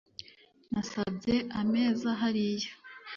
Nasabye ameza hariya